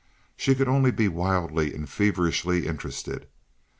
She could only be wildly and feverishly interested.